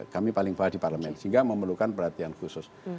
kami paling bawah di parlemen sehingga memerlukan perhatian khusus